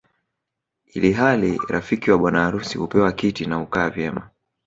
Ili hali rafiki wa bwana harusi hupewa kiti na hukaa vyema